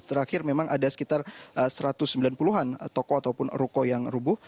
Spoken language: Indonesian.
terakhir memang ada sekitar satu ratus sembilan puluh an toko ataupun ruko yang rubuh